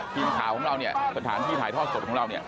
ทีมข่าวของเราสถานที่ถ่ายทอดสดของเรา